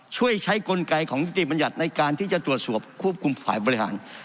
ช่วยใช้กลไกของนิติบัญญัติในการที่จะตรวจสอบควบคุมฝ่ายบริหาร